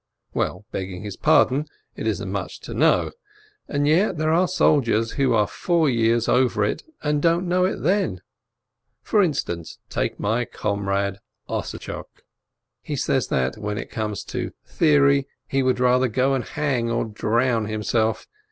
Well, begging his pardon, it isn't much to know. And yet there are soldiers who are four years over it, and don't know it then. For instance, take my com rade Ossadtchok; he says that, when it comes to "theory", he would rather go and hang or drown him self.